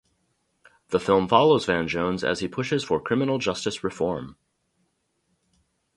The film follows Van Jones as he pushes for criminal justice reform.